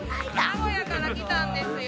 名古屋から来たんですよ。